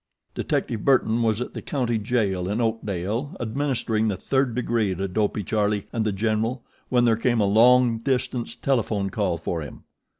Detective Burton was at the county jail in Oakdale administering the third degree to Dopey Charlie and The General when there came a long distance telephone call for him.